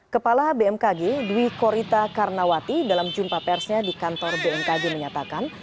kepala bmkg dwi korita karnawati dalam jumpa persnya di kantor bmkg menyatakan